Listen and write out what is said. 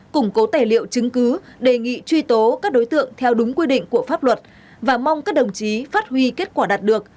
củng cố tài liệu chứng cứ đề nghị truy tố các đối tượng theo đúng quy định của pháp luật và mong các đồng chí phát huy kết quả đạt được